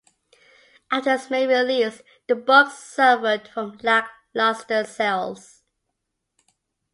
After its May release, the book suffered from lackluster sales.